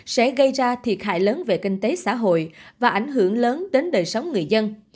sẽ gây ra thiệt hại lớn về kinh tế xã hội và ảnh hưởng lớn đến đời sống người dân